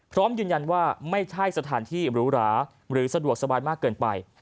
พร้อมยืนยันว่าไม่ใช่สถานที่หรูหราหรือสะดวกสบายมากเกินไป